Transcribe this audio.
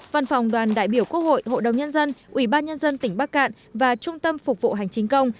văn phòng đoàn đại biểu quốc hội hội đồng nhân dân ủy ban nhân dân tỉnh bắc cạn và trung tâm phục vụ hành chính công